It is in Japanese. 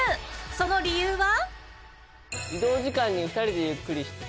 その理由は？